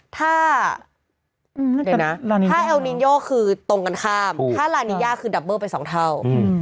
ถ้าเอลนินโยคือตรงกันข้ามถ้าลานิยาคือดับเบอร์ไป๒เท่า